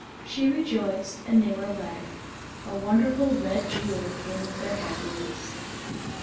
She rejoiced, and they were wed. A wonderful red jewel came of their happiness.